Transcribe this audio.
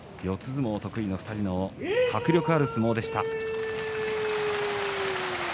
相撲得意の２人の迫力ある相撲でした。